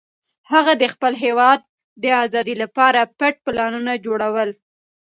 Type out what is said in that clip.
هغه د خپل هېواد د ازادۍ لپاره پټ پلانونه جوړول.